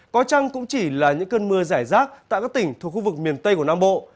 có chăng cũng chỉ là những cơn mưa giải rác tại các tỉnh thuộc khu vực miền tây của nam bộ